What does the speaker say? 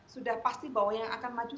sudah pasti bahwa yang akan maju